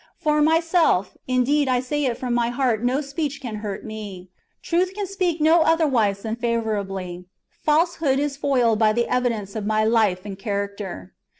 For myself, indeed — I say it from my heart — no speech can hurt me ; truth can speak no otherwise than favour ably ; falsehood is foiled by the evidence of my life and character.